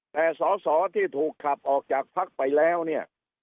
แต่สอสอที่ถูกขับออกจากพักไปแล้วเนี่ย